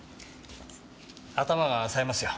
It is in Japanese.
頭が冴えますよ。